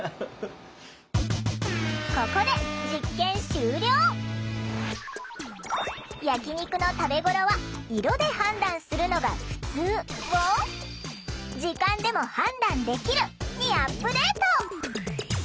ここで「焼き肉の食べごろは色で判断するのがふつう」を「時間でも判断できる」にアップデート！